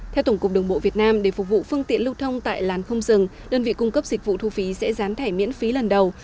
theo tổng cục đường bộ việt nam để phục vụ phương tiện lưu thông tại làn không dừng đơn vị cung cấp dịch vụ thu phí sẽ rán thẻ miễn phí lần đầu